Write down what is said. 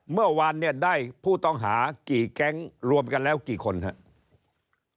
เมื่อวานเนี่ยได้ผู้ต้องหากี่แก๊งรวมกันแล้วกี่คนครับ